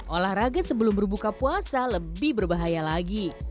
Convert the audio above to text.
olahraga sebelum berbuka puasa lebih berbahaya lagi